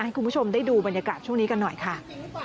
ให้คุณผู้ชมได้ดูบรรยากาศช่วงนี้กันหน่อยค่ะ